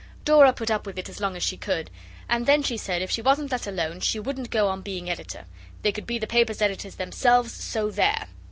Dora put up with it as long as she could and then she said if she wasn't let alone she wouldn't go on being editor; they could be the paper's editors themselves, so there.